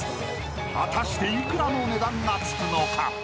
［果たして幾らの値段がつくのか？］